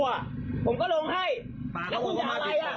ไม่มึงก็ลงมาให้กูดีกว่ามา